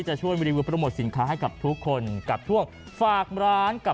อัจภาพสะเอา